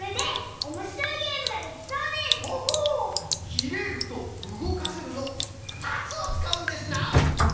「きれる」と「うごかせる」の２つをつかうんですな！